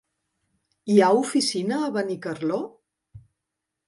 Hi ha oficina a Benicarló?